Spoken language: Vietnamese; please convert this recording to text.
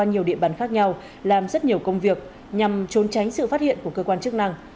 nhiều địa bàn khác nhau làm rất nhiều công việc nhằm trốn tránh sự phát hiện của cơ quan chức năng